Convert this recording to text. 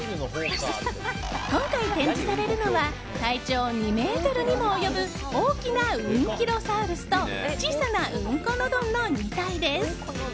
今回展示されるのは体長２ｍにも及ぶ大きなウンキロサウルスと小さなウンコノドンの２体です。